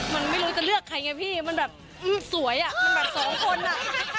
มันไม่รู้จะเลือกใครไงพี่มันแบบสวยอ่ะมันแบบสองคนอ่ะ